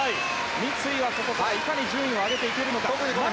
三井はここからいかに順位を上げていけるか。